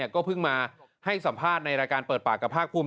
ก็เพิ่งมาให้สัมภาษณ์ในรายการเปิดปากกับภาคภูมิ